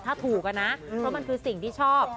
ถ้าถูกอะนะเพราะมันคือสิ่งที่ชอบ